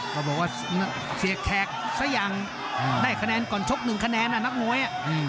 เขาบอกว่าเสียแขกซะยังได้คะแนนก่อนชก๑คะแนนน่ะนักมวย